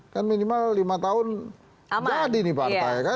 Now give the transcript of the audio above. kan minimal lima tahun jadi nih partai kan